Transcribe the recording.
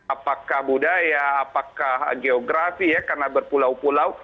apakah budaya apakah geografi ya karena berpulau pulau